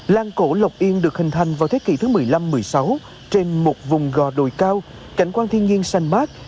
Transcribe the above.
làng cổ lộc yên được hình thành vào thế kỷ thứ một mươi năm một mươi sáu trên một vùng gò đồi cao cảnh quan thiên nhiên xanh mát